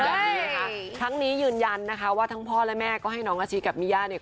แบบนี้นะคะทั้งนี้ยืนยันนะคะว่าทั้งพ่อและแม่ก็ให้น้องอาชิกับมิย่าเนี่ย